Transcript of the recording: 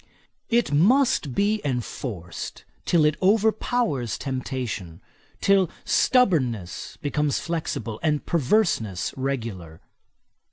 It must be enforced till it overpowers temptation; till stubbornness becomes flexible, and perverseness regular.